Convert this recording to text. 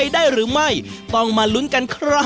ได้หรือไม่ต้องมาลุ้นกันครับ